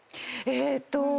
えーっと。